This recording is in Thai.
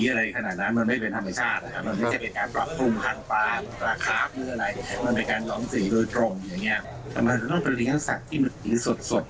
แต่มันต้องเป็นสัตว์ที่สด